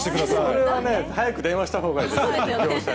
それは早く電話したほうがいいです。